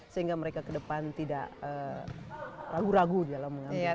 sehingga mereka ke depan tidak ragu ragu dalam mengambil